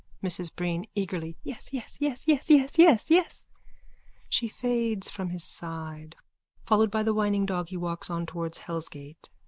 MRS BREEN: (Eagerly.) Yes, yes, yes, yes, yes, yes, yes. _(She fades from his side. Followed by the whining dog he walks on towards hellsgates.